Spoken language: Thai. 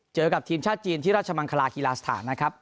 เจอกับทีมชาติจีนที่ราชมังคลาฮีลาสถานนะครับ